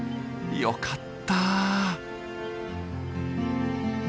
よかった。